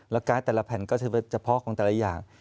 แล้วการ์ดแต่ละแผ่นก็จะเฉพาะของแต่ละอย่าง